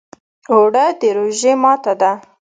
اوړه د روژې ماته ده